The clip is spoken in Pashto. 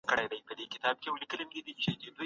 ی د اجتماعي پدیده ګانو مطالعه زموږ د طرز تفکر بدلوي.